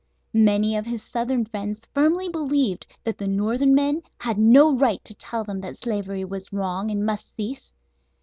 Many of his southern friends firmly believed that the northern men had no right to tell them that slavery was wrong and must cease.